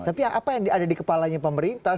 tapi apa yang ada di kepalanya pemerintah